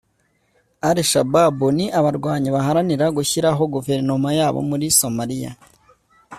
Al Shabaab ni abarwanyi baharanira gushyiraho guverinoma yabo muri Somalia